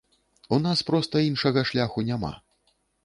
У нас проста іншага шляху няма.